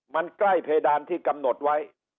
มันใกล้เพดานที่กำหนดไว้